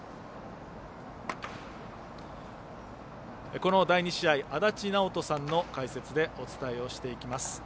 この第２試合、足達尚人さんの解説でお伝えします。